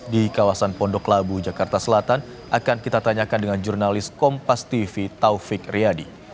di kawasan pondok labu jakarta selatan akan kita tanyakan dengan jurnalis kompas tv taufik riyadi